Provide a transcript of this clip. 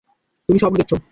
তুমি স্বপ্ন দেখছ।